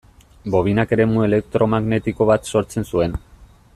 Bobinak eremu elektromagnetiko bat sortzen zuen.